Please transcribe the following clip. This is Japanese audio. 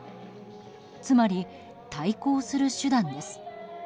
つまり、対抗する手段です。